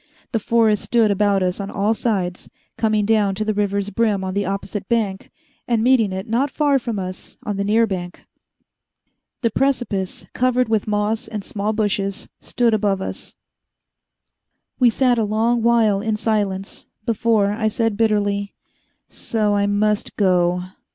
The forest stood about us on all sides, coming down to the river's brim on the opposite bank and meeting it not far from us on the near bank. The precipice, covered with moss and small bushes, stood above us. We sat a long while in silence, before I said bitterly: "So I must go."